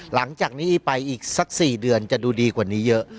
หลังจากนี้ไปอีกสัก๔เดือนจะดูดีกว่านี้เยอะ